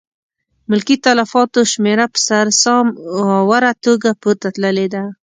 ملکي تلفاتو شمېره په سر سام اوره توګه پورته تللې ده.